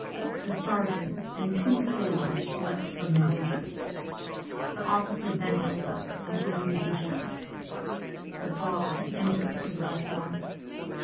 The sergeant and two soldiers leaped from their horses. The officer bent over and opened his shirt. The ball had entered his left lung.